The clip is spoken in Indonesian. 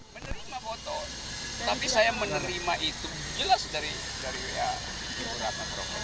menerima foto tapi saya menerima itu jelas dari ya dari roky